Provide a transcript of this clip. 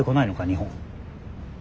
日本。